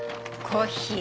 コッヒー？